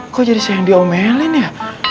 kok jadi saya yang diomelin ya